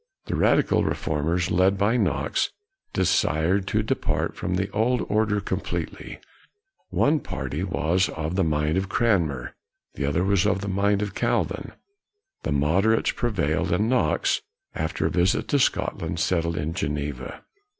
The radical reformers, led by Knox, desired to depart from the old order completely. One party was of the mind of Cranmer, the other was of the mind of Calvin. The moderates pre vailed, and Knox, after a visit to Scotland, settled in Geneva.